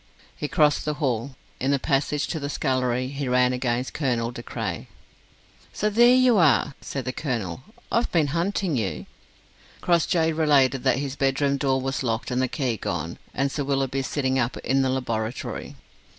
He crossed the hall. In the passage to the scullery he ran against Colonel De Craye. "So there you are," said the colonel, "I've been hunting you." Crossjay related that his bedroom door was locked and the key gone, and Sir Willoughby sitting up in the laboratory.